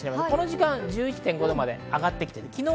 この時間１１．５度まで上がってきています。